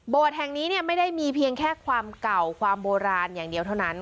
แห่งนี้ไม่ได้มีเพียงแค่ความเก่าความโบราณอย่างเดียวเท่านั้น